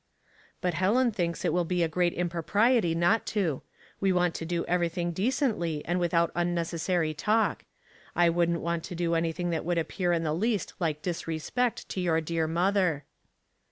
" But Helen thinks it will be a great impro priety not to. We want to do everything de cently and without unnecessary talk. I wouldn't want to do anything that would appear in the least like disrespect to your dear mother."